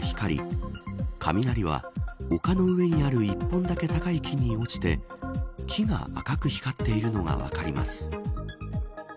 映像を止めてみると大きく空が光り雷は、丘の上にある一本だけ高い木に落ちて木が赤く光っているのが分かります。